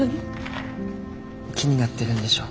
気になってるんでしょ。